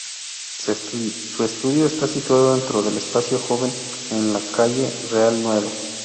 Su estudio está situado dentro del Espacio Joven, en la Calle Real Nueva.